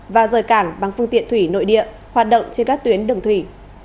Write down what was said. và rời cảng bằng phương tiện thủy nội địa hoạt động trên các tuyến đường thủy